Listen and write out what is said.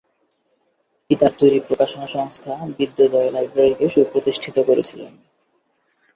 পিতার তৈরী প্রকাশনা সংস্থা বিদ্যোদয় লাইব্রেরী কে সুপ্রতিষ্ঠিত করেছিলেন।